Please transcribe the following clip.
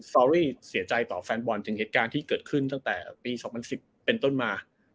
อรี่เสียใจต่อแฟนบอลถึงเหตุการณ์ที่เกิดขึ้นตั้งแต่ปี๒๐๑๐เป็นต้นมา